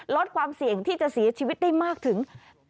ลดความเสี่ยงที่จะเสียชีวิตได้มากถึง